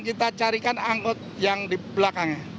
kita carikan angkut yang di belakangnya